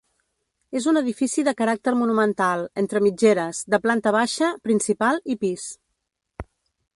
És un edifici de caràcter monumental, entre mitgeres, de planta baixa, principal i pis.